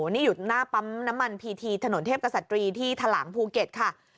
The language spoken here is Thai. นี่อยู่หน้าปั๊มน้ำมันพีทีถนนเทพกษัตรีที่ทะหลังภูเก็ตค่ะ